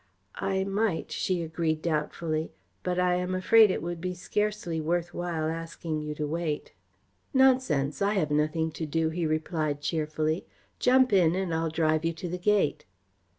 "I might," she agreed doubtfully, "but I am afraid it would be scarcely worth while asking you to wait." "Nonsense. I have nothing to do," he replied cheerfully. "Jump in and I'll drive you to the gate."